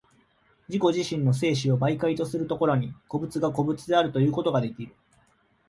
自己自身の生死を媒介とする所に、個物が個物であるということができる。